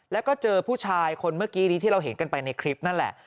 แล้วก็เจอผู้ชายคนเมื่อกี้นี้ที่เราเห็นกันไปในคลิปนั่นแหละ